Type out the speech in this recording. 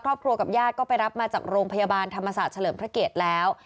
ครอบครัวกับญาติก็ไปรับมาจากโรงพยาบาลธรรมศาสตร์เฉลิมพระเกียรติแล้ว